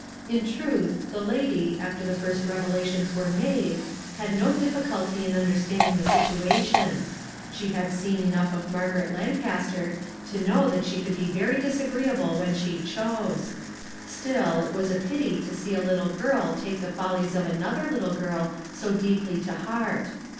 In truth, the lady, after the first revelations were made, had no difficulty in understanding the situation; she had seen enough of Mar garet Lancaster to know that she could be very disagreeable when she chose. Still, it was a pity to see a little girl take the follies of another little girl so deeply to heart.